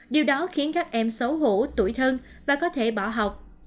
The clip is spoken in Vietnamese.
điều đó khiến các em xấu hổ tuổi thân và có thể bỏ học